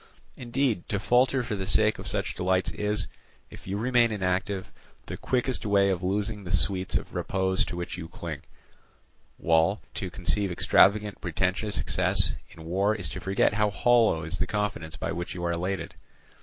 Indeed, to falter for the sake of such delights is, if you remain inactive, the quickest way of losing the sweets of repose to which you cling; while to conceive extravagant pretensions from success in war is to forget how hollow is the confidence by which you are elated.